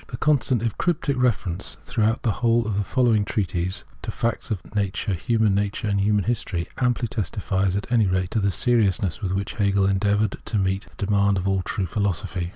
The constant, if cryptic, reference throughout the whole of the following treatise to facts of nature, human nature, and human history, amply testifies at any rate to the seriousness with which Hegel endeav loured to meet this demand of all true philosophy.